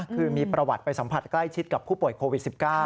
คือมีประวัติไปสัมผัสใกล้ชิดกับผู้ป่วยโควิด๑๙